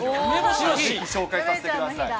紹介させてください。